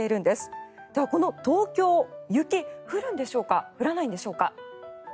では、この東京雪降るんでしょうか降らないんでしょうか。